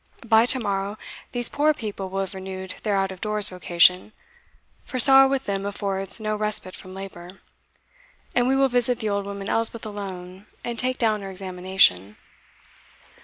By to morrow these poor people will have renewed their out of doors vocation for sorrow with them affords no respite from labour, and we will visit the old woman Elspeth alone, and take down her examination."